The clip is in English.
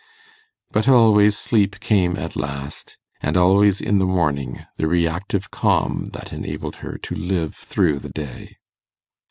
But always sleep came at last, and always in the morning the reactive calm that enabled her to live through the day.